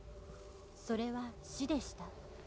「それは死でした」